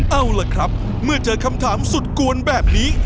เอาล่ะครับเมื่อเจอคำถามสุดกวนแบบนี้